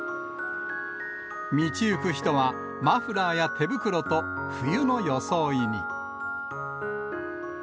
道行く人は、マフラーや手袋と冬の装いに。